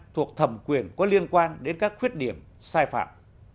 thuộc thẩm quyền có liên quan đến các khuyết điểm sai phạm